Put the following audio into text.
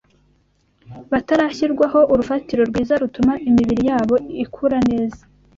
batarashyirirwaho urufatiro rwiza rutuma imibiri yabo ikura neza